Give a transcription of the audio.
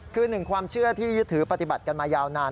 คือหนึ่งความเชื่อที่ยึดถือปฏิบัติกันมายาวนาน